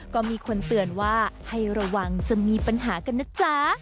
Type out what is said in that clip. ก็มีคนเตือนว่าให้ระวังจะมีปัญหากันนะจ๊ะ